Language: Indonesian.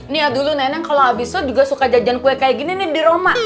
nih dulu nenek kalau habis itu juga suka jajan kue kayak gini nih di roma